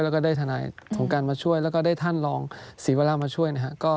แล้วก็ได้ทนายสงการมาช่วยแล้วก็ได้ท่านรองศรีวรามาช่วยนะครับ